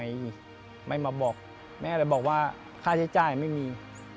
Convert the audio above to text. ตอนพ่อเสียทำไมไม่มาบอกแม่เลยบอกว่าค่าใช้จ่ายไม่มี